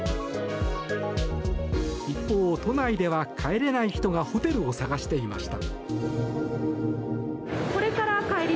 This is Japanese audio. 一方、都内では、帰れない人がホテルを探していました。